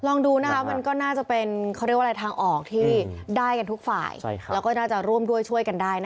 ลองดูนะครับมันก็น่าจะเป็นทางออกที่ได้กันทุกฝ่ายเราก็น่าจะร่วมด้วยช่วยกันได้